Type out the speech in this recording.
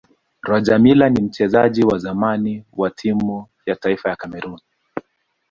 rogermiller ni mchezaji wa zamani wa timu ya taifa ya cameroon